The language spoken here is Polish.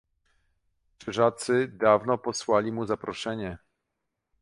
"Krzyżacy dawno posłali mu zaproszenie."